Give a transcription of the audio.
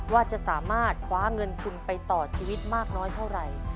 ว่าจะสามารถคว้าเงินทุนไปต่อชีวิตมากน้อยเท่าไหร่